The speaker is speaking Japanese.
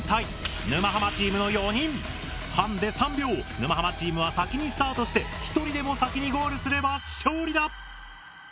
沼ハマチームは先にスタートして１人でも先にゴールすれば勝利だ。